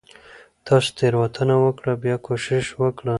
تاسو تيروتنه وکړه . بيا کوشش وکړه